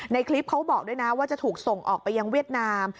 ในคลิปเขาบอกด้วยนะว่าจะถูกส่งออกไปยังเวียดนาม